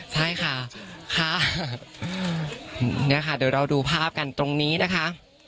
นี่ค่ะเดี๋ยวเราดูภาพกันตรงนี้นะคะ